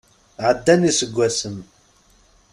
Ɛeddan iseggasen.